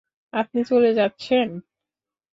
আপনি চলে যাচ্ছেন?